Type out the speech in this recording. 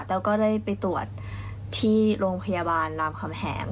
แล้วก็ได้ไปตรวจที่โรงพยาบาลรามคำแหง